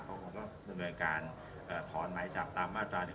ก็คงก็มีการถอนไม้จับตามมาตรา๑๔๖ไป